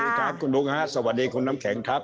สวัสดีคุณลุงสวัสดีคุณน้ำแข็งครับ